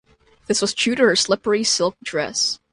This was due to her slippery silk dress.